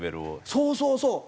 そうそうそう！